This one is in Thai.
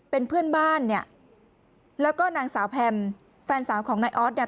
เป็นเพื่อนบ้านเนี่ยแล้วก็นางสาวแพมแฟนสาวของนายออสเนี่ย